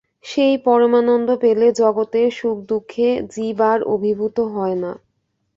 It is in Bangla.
সেই পরমানন্দ পেলে জগতের সুখদুঃখে জীব আর অভিভূত হয় না।